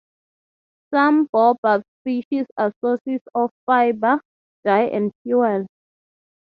Some baobab species are sources of fiber, dye, and fuel.